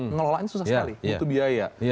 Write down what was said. ngelolanya susah sekali butuh biaya